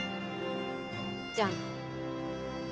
じゃあな。